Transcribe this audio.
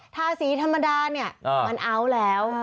ทาสีธรรมดาเนี่ยมันเอาแล้ว